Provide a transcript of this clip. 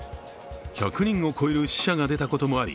１００人を超える死者が出たこともあり